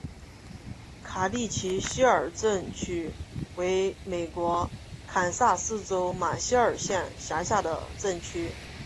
卡蒂奇希尔镇区为美国堪萨斯州马歇尔县辖下的镇区。